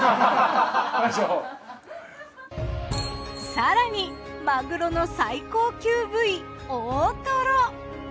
更にマグロの最高級部位大トロ！